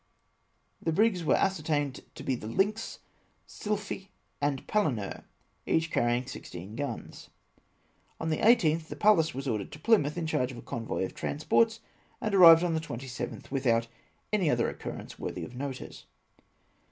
The brigs were ascertained to be the Lynx, Sylphe, and Palinure, each carrying 16 guns. On the 18th, the Pallas was ordered to Plymouth in charge of a convoy of transports, and arrived on the 27 th without any other occurrence worthy of notice.